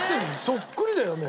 そっくりだよ目。